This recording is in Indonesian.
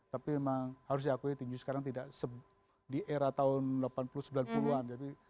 tapi memang harus diakui tinju sekarang tidak di era tahun delapan puluh sembilan puluh an